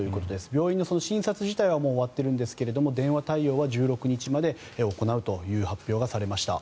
病院の診察自体は終わっているんですが電話対応は１６日まで行うという発表がされました。